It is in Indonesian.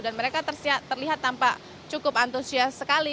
dan mereka terlihat tampak cukup antusias sekali